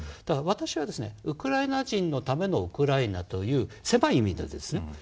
だから私はウクライナ人のためのウクライナという狭い意味でですよ